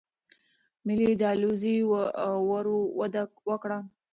ملي ایدیالوژي ورو وده وکړه.